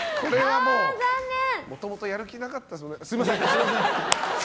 もともとやる気なかった。